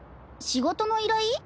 仕事の依頼？